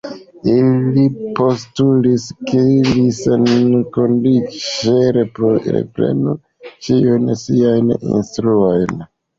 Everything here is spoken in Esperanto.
Ili postulis, ke li senkondiĉe reprenu ĉiujn siajn instruojn.